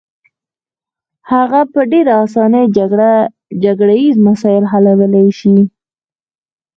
هغه په ډېره اسانۍ جګړه ییز مسایل حلولای شي.